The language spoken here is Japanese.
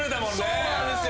そうなんですよ。